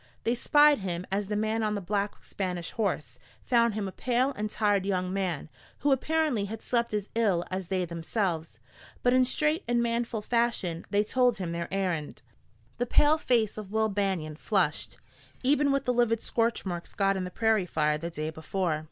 They spied him as the man on the black Spanish horse, found him a pale and tired young man, who apparently had slept as ill as they themselves. But in straight and manful fashion they told him their errand. The pale face of Will Banion flushed, even with the livid scorch marks got in the prairie fire the day before.